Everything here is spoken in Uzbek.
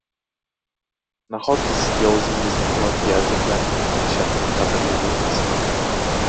– Nahot sizga oʻzingizning yoki ajdodlaringizning shaʼni qadrli boʻlmasa?!